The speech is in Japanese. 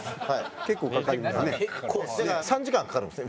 だから３時間かかるんですよ。